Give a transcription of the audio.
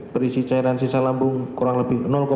berisi cairan sisa lambung kurang lebih